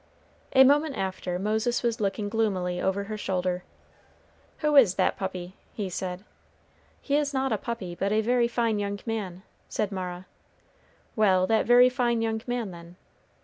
A moment after Moses was looking gloomily over her shoulder. "Who is that puppy?" he said. "He is not a puppy, but a very fine young man," said Mara. "Well, that very fine young man, then?"